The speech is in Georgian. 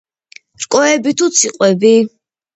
რკოები თუ ციყვები?